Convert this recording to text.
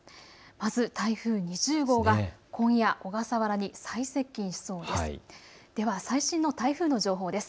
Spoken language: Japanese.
まず台風２０号が今夜、小笠原に最接近しそうです。